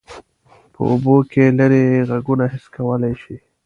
په اوبو کې لیرې غږونه حس کولی شي.